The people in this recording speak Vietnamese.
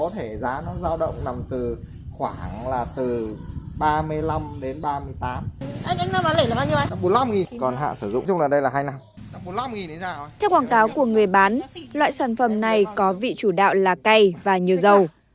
theo quảng cáo của người bán loại sản phẩm này có vị chủ đạo là cày và nhiều dầu